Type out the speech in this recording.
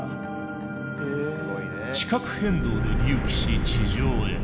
地殻変動で隆起し地上へ。